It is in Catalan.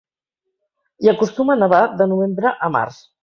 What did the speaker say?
Hi acostuma a nevar de novembre a març.